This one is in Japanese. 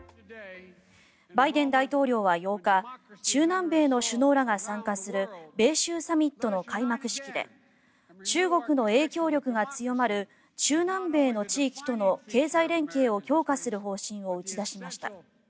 バイデン大統領は８日中南米の首脳らが参加する米州サミットの開幕式で中国の影響力が強まる中南米の地域との経済連携を強化する方針を打ち出しました。